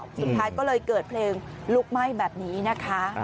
สุดท้ายก็เลยเกิดเพลิงลุกไหม้แบบนี้นะคะ